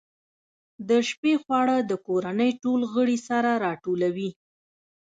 د شپې خواړه د کورنۍ ټول غړي سره راټولوي.